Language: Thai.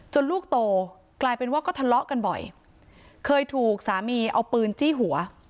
ลูกโตกลายเป็นว่าก็ทะเลาะกันบ่อยเคยถูกสามีเอาปืนจี้หัว